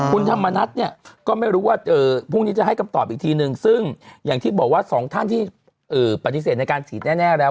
คุณธรรมนัฐเนี่ยก็ไม่รู้ว่าพรุ่งนี้จะให้คำตอบอีกทีนึงซึ่งอย่างที่บอกว่าสองท่านที่ปฏิเสธในการฉีดแน่แล้ว